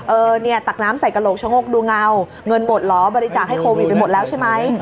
เออเนี่ยตักน้ำใส่กระโหลกชะโงกดูเงาเงินหมดเหรอบริจาคให้โควิดไปหมดแล้วใช่ไหม